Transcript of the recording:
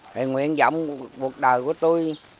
thì nguyện dọng cuộc đời của tôi